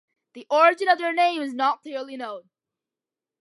The origin of their name is not clearly known.